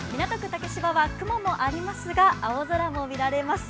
竹芝は雲もありますが青空も見られます。